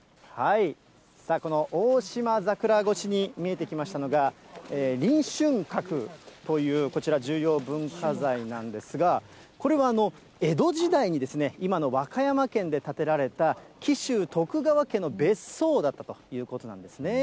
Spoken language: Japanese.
このオオシマザクラ越しに見えてきましたのが、臨春閣という、こちら、重要文化財なんですが、これは江戸時代に、今の和歌山県で建てられた、紀州徳川家の別荘だったということなんですね。